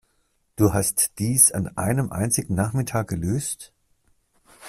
Du hast dies an einem einzigen Nachmittag gelöst?